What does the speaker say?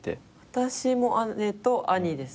私も姉と兄です。